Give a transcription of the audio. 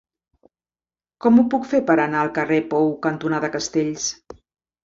Com ho puc fer per anar al carrer Pou cantonada Castells?